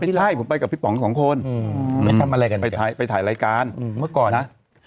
ไม่มือไปกับพี่ป๋อง๒คนไปถ่ายรายการเมื่อก่อนป่ะ